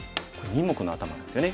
二目のアタマなんですよね。